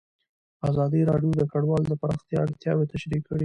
ازادي راډیو د کډوال د پراختیا اړتیاوې تشریح کړي.